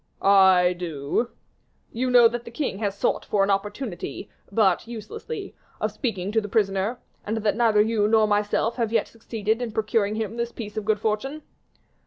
"I do." "You know that the king has sought for an opportunity, but uselessly, of speaking to the prisoner, and that neither you nor myself have yet succeeded in procuring him this piece of good fortune."